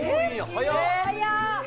早っ！